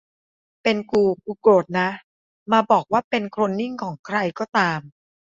เป็นกูกูโกรธนะ มาบอกว่าเป็นโคลนนิงของใครก็ตาม